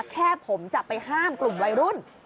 แค่ผมจะไปห้ามกลุ่มวัยรุ่น